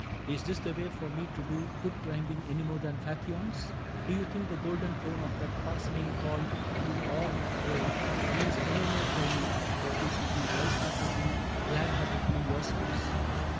Is this the way For me to do good climbing any more Than Phaethon's ? Do you think the golden tone Of that far singing call you all have heard Means any more for you than you should be Wise heartedly, glad heartedly yourselves